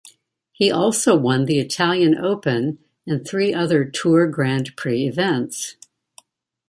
He also won the Italian Open and three other tour grand prix events.